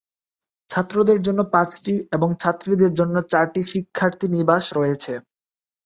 ছাত্রদের জন্য পাঁচটি এবং ছাত্রীদের জন্য চারটি শিক্ষার্থী নিবাস রয়েছে।